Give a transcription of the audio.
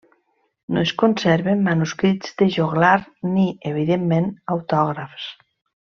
No es conserven manuscrits de joglar ni, evidentment, autògrafs.